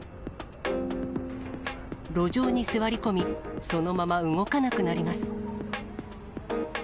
路上に座り込み、そのまま動かなくなります。